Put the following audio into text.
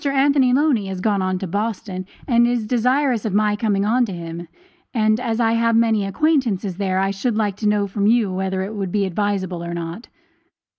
Anthony Loney has gone on to Boston, and is desirous of my coming on to him; and as I have many acquaintances there, I should like to know from you whether it would be advisable or not.